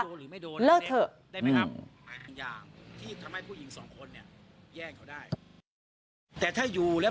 หมอปลาก็หลังจากที่คุยกับเฮเล็กไปแล้ว